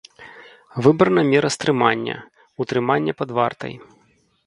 Выбрана мера стрымання — утрыманне пад вартай.